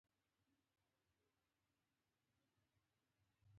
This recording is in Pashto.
زما کار اول خدای وکړ، خو احمد یې راته وسیله جوړ کړ.